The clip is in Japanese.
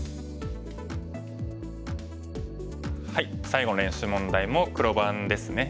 最後の練習問題も黒番ですね。